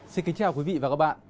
xin kính chào quý vị và các bạn